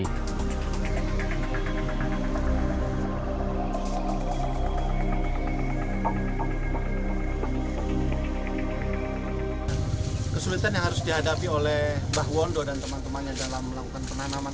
kesulitan yang harus dihadapi oleh mbah wondo dan teman temannya dalam melakukan penanaman